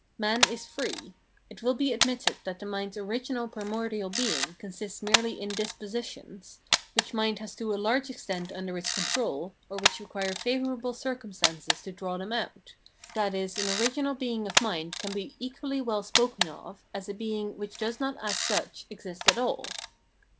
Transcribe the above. Man is free. It will be admitted that the mind's original primordial being consists merely in dispositions, which mind has to a large extent under its control, or which require favourable circumstances to draw them out; Phrenology 327 i.e. an original being of mind can be equally well spoken of as a being which does not as such exist at all.